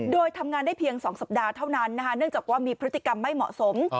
โดยทำงานได้เพียง๒สัปดาห์เท่านั้นเนื่องจากว่ามีพฤติกรรมไม่เหมาะสม